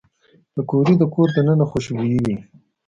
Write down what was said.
پکورې د کور دننه خوشبويي وي